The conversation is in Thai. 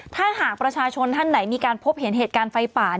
ถ้าหากประชาชนท่านไหนมีการพบเห็นเหตุการณ์ไฟป่า